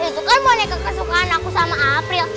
itu kan boneka kesukaan aku sama april